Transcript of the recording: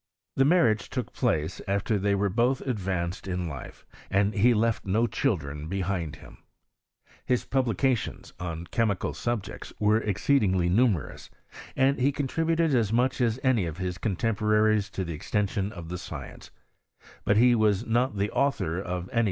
The marriage took place after they were both advanced in Life, and he left no childrea behind him. His publications on chemical subjects ' were exceedingly numerous, and he contributed ks much as any of his contemporaries to the extensioo of the science ; but as he was not the authoi of vaf PB06RKS8 OF CHEMlSinKY IN TRANCE.